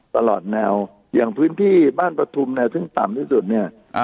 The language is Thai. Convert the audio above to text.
ตลอดแนวอย่างพื้นที่บ้านประธุมแนวที่สามที่สุดเนี่ย